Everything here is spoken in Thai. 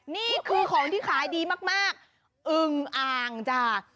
นี่คือของที่ขายดีมากอึงอ่างจ้า